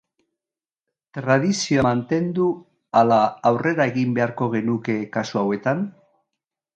Tradizioa mantendu ala aurrera egin beharko genuke kasu hauetan?